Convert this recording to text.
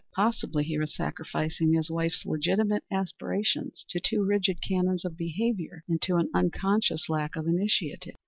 Possibly he was sacrificing his wife's legitimate aspirations to too rigid canons of behavior, and to an unconscious lack of initiative.